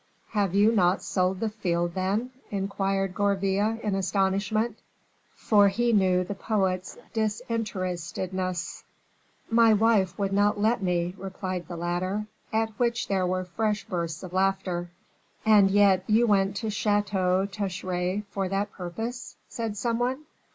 "Have you not sold the field, then?" inquired Gourville, in astonishment, for he knew the poet's disinterestedness. "My wife would not let me," replied the latter, at which there were fresh bursts of laughter. "And yet you went to Chateau Thierry for that purpose," said some one.